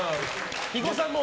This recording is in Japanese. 肥後さんも。